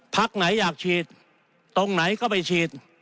ภักดิ์ไหนอยากชีดตรงไหนก็ไปชีด